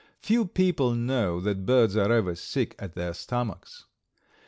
Few people know that birds are ever sick at their stomachs.